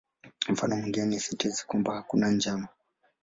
Mfano mwingine ni sentensi kwamba "hakuna njama".